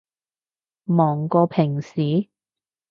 忙過平時？